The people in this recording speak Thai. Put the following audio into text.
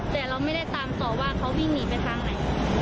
แต่เราไม่ได้ตามต่อว่าเขาวิ่งหนีไปทางไหน